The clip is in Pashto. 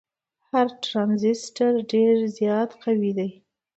هر ټرانزیسټر ډیر زیات قوي دی.